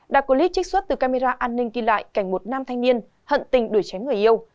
đạt clip trích xuất từ camera an ninh ghi lại cảnh một nam thanh niên hận tình đuổi chém người yêu